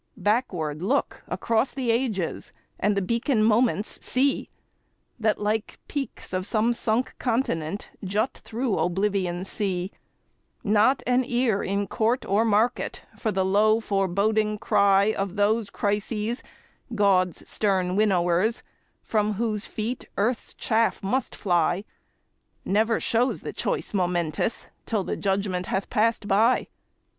Backward look across the ages and the beacon moments see, That, like peaks of some sunk continent, jut through Oblivion's sea; Not an ear in court or market for the low foreboding cry Of those Crises, God's stern winnowers, from whose feet earth's chaff must fly; Never shows the choice momentous till the judgment hath passed by.